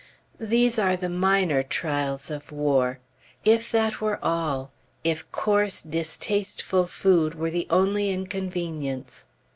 These are the minor trials of war. If that were all if coarse, distasteful food were the only inconvenience!